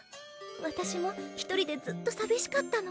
私も一人でずっとさびしかったの。